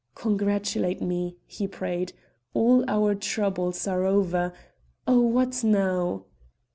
"Congratulate me," he prayed. "All our troubles are over Oh, what now!"